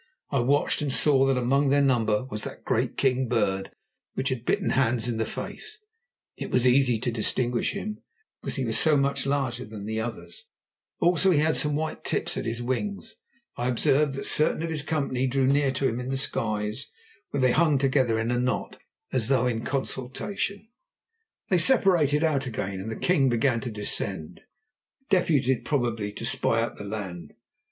I watched, and saw that among their number was that great king bird which had bitten Hans in the face; it was easy to distinguish him, because he was so much larger than the others. Also, he had some white at the tips of his wings. I observed that certain of his company drew near to him in the skies, where they hung together in a knot, as though in consultation. They separated out again, and the king began to descend, deputed probably to spy out the land.